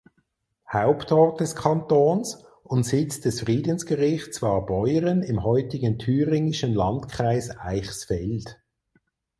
Hauptort des Kantons und Sitz des Friedensgerichts war Beuren im heutigen thüringischen Landkreis Eichsfeld.